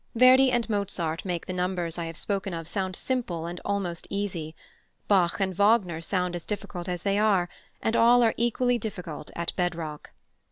Verdi and Mozart make the numbers I have spoken of sound simple and almost easy; Bach and Wagner sound as difficult as they are, and all are equally difficult at bedrock.